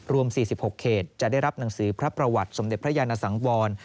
รวม๔๖เขตจะได้รับหนังสือพระประวัติสมเด็จพระยานสังวร